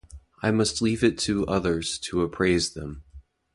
I must leave it to others to appraise them.